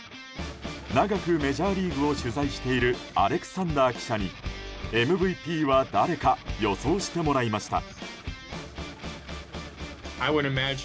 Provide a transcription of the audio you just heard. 長くメジャーリーグを取材しているアレクサンダー記者にＭＶＰは誰か予想してもらいました。